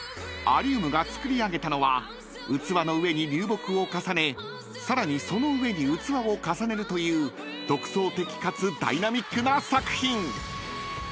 ［アリウムが作り上げたのは器の上に流木を重ねさらにその上に器を重ねるという独創的かつダイナミックな作品］